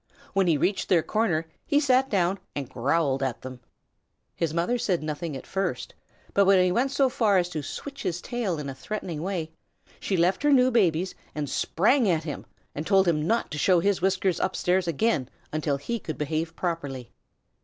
When he reached their corner he sat down and growled at them. His mother said nothing at first, but when he went so far as to switch his tail in a threatening way, she left her new babies and sprang at him and told him not to show his whiskers upstairs again until he could behave properly.